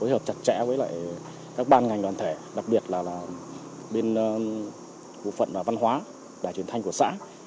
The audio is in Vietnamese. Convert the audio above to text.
hợp chặt chẽ với các ban ngành đoàn thể đặc biệt là bên bộ phận văn hóa đài truyền thanh của xã